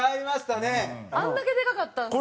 あれだけでかかったんですね。